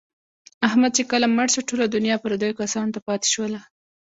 احمد چې کله مړ شو، ټوله دنیا یې پردیو کسانو ته پاتې شوله.